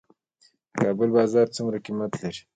د کابل بازان څومره قیمت لري؟